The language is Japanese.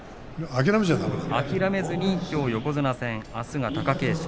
諦めずにきょう横綱戦あすが貴景勝。